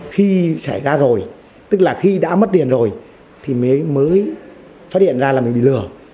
khi xảy ra rồi tức là khi đã mất điện rồi thì mới phát hiện ra là mình bị lừa